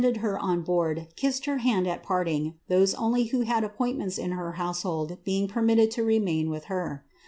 319 her on board kissed her hand at parting, those only who had ents in her household being permitted to remain with her.